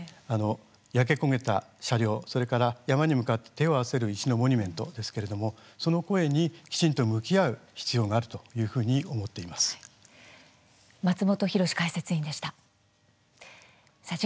焼け焦げた車両それから山に向かって手を合わせる石のモニュメントですが、その声にきちんと向き合う必要があると